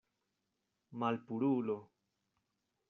Malpurulo.